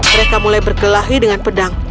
mereka mulai berkelahi dengan pedang